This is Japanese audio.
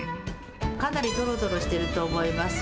かなりとろとろしてると思います。